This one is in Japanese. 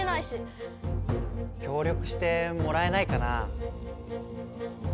きょう力してもらえないかな？